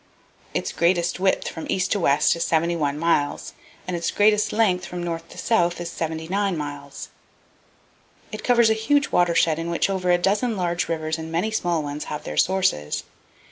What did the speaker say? Its greatest width from east to west is 71 miles, and its greatest length from north to south is 79 miles. It covers a huge watershed in which over a dozen large rivers and many small ones have their sources.